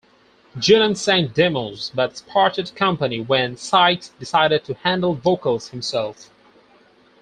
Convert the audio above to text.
Gillen sang demos but parted company when Sykes decided to handle vocals himself.